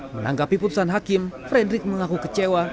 menanggapi putusan hakim frederick mengaku kecewa